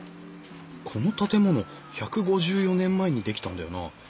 この建物１５４年前に出来たんだよな。